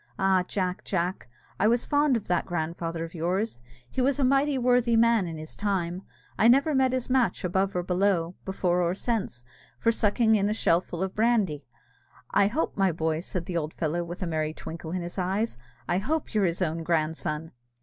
Ah, Jack, Jack, I was fond of that grandfather of yours; he was a mighty worthy man in his time: I never met his match above or below, before or since, for sucking in a shellful of brandy. I hope, my boy," said the old fellow, with a merry twinkle in his eyes, "I hope you're his own grandson!"